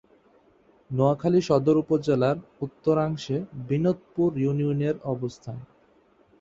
নোয়াখালী সদর উপজেলার উত্তরাংশে বিনোদপুর ইউনিয়নের অবস্থান।